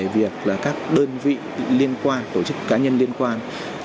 việc là các đơn vị liên quan tổ chức cá nhân liên quan